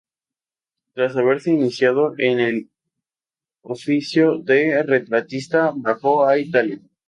Tras haberse iniciado en el oficio de retratista, viajó a Italia.